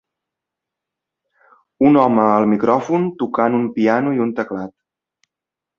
Un home al micròfon tocant un piano i un teclat.